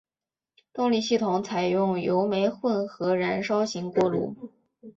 动力系统采用油煤混合燃烧型锅炉。